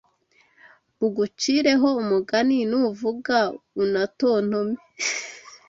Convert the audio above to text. Bagucire ho umugani Nuvuga unatontome